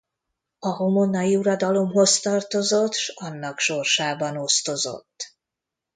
A homonnai uradalomhoz tartozott s annak sorsában osztozott.